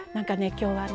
今日はね